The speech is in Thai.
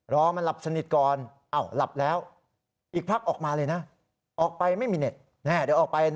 รอหลับสนิทก่อนโอ้โหนี่ชัดเจนมากเลยนะเนี่ย